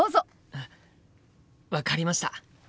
あっ分かりました！